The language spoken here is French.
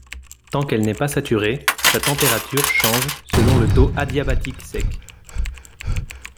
Tant qu'elle n'est pas saturée, sa température change selon le taux adiabatique sec.